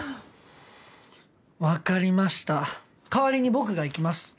分かりました代わりに僕が行きます。